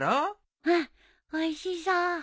うんおいしそう。